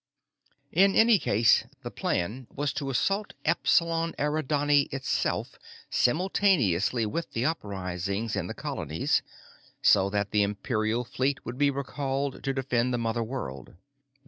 In any case, the plan was to assault Epsilon Eridani itself simultaneously with the uprisings in the colonies, so that the Imperial fleet would be recalled to defend the mother world.